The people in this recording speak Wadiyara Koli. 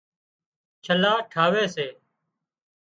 چلها ٺاوي سي